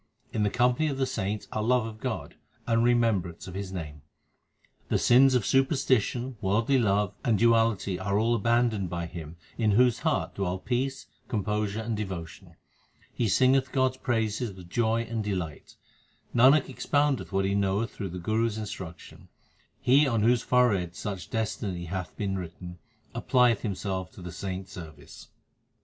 In the company of the saints are love of God and remem brance of His name. The sins of superstition, worldly love, and duality all are abandoned by him, In whose heart dwell peace, composure, and devotion ; he singeth God s praises with joy and delight Nanak expoundeth what he knoweth through the Guru s instruction he on whose forehead such destiny hath been written, applieth himself to the saints service.